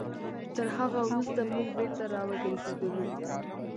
تر هغه وروسته موږ بېرته راوګرځېدلو.